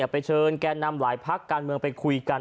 ไปเชิญแก่นำหลายพักการเมืองไปคุยกัน